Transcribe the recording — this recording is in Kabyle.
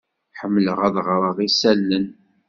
Ḥemmleɣ ad ɣreɣ isalan.